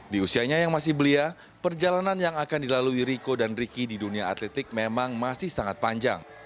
di usianya yang masih belia perjalanan yang akan dilalui riko dan ricky di dunia atletik memang masih sangat panjang